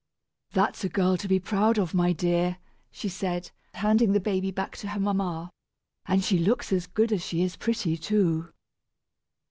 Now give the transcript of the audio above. "That's a girl to be proud of, my dear!" she said, handing the baby back to her mamma. "And she looks as good as she is pretty, too."